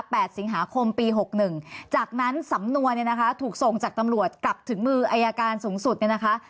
แปดสิงหาคมปีหกหนึ่งจากนั้นสำนวนเนี่ยนะคะถูกส่งจากตำรวจกลับถึงมืออายการสูงสุดเนี่ยนะคะ